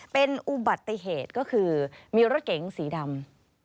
เป็นอุบัติเหตุก็คือมีรถเก๋งสีดำ